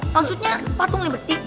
maksudnya patung liberty